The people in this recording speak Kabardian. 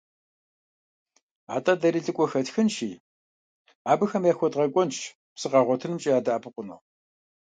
АтӀэ дэри лӀыкӀуэ хэтхынщи, абыхэм яхуэдгъэкӀуэнщ псы къагъуэтынымкӀэ ядэӀэпыкъуну.